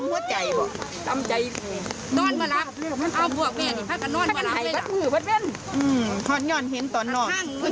มียังจะเห็นกับเพ้อนห้านเพ้อน